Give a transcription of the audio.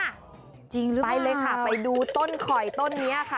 จริงหรือเปล่าไปเลยค่ะไปดูต้นคอยต้นนี้ค่ะ